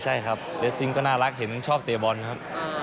ใช่ครับเรสซิงก็น่ารักเห็นชอบเตะบอลครับ